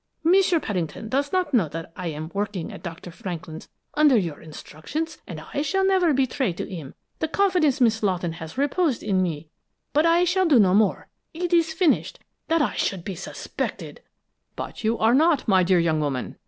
M'sieu Paddington does not know that I am working at Dr. Franklin's under your instructions, and I shall never betray to him the confidence Miss Lawton has reposed in me. But I shall do no more; it is finished. That I should be suspected " "But you are not, my dear young woman!"